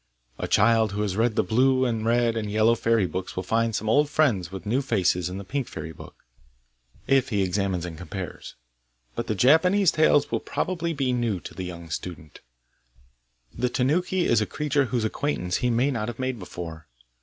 A child who has read the Blue and Red and Yellow Fairy Books will find some old friends with new faces in the Pink Fairy Book, if he examines and compares. But the Japanese tales will probably be new to the young student; the Tanuki is a creature whose acquaintance he may not have made before.